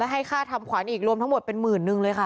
ให้ค่าทำขวัญอีกรวมทั้งหมดเป็นหมื่นนึงเลยค่ะ